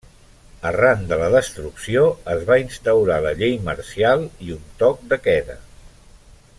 Arran de la destrucció es va instaurar la llei marcial i un toc de queda.